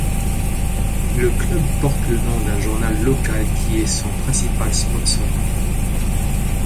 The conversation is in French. Le club porte le nom d'un journal local qui est son principal sponsor.